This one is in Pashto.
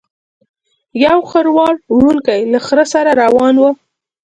یو خروار وړونکی له خره سره روان و.